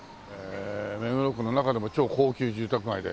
目黒区の中でも超高級住宅街で。